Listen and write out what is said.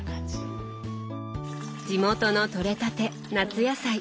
地元の取れたて夏野菜。